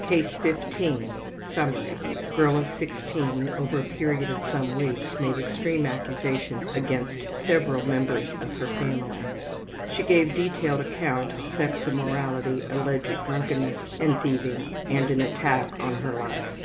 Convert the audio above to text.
CASE 15 Summary: Girl of 16, over a period of some weeks made extreme accusations against several members of her family. She gave detailed account of sex immorality, alleged drunkenness and thieving, and an attack on her own life.